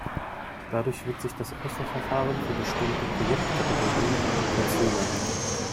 Dadurch wird sich das Auswahlverfahren für bestimmte Projektkategorien verzögern.